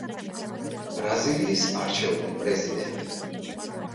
ბრაზილიის არჩეული პრეზიდენტი.